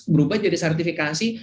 berubah jadi sertifikasi